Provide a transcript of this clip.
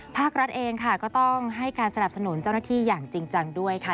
ภาครัฐเองค่ะก็ต้องให้การสนับสนุนเจ้าหน้าที่อย่างจริงจังด้วยค่ะ